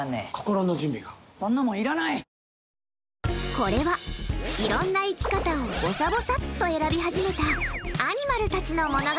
これは、いろんな生き方をぼさぼさっと選び始めたアニマルたちの物語。